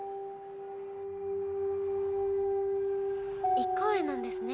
一個上なんですね。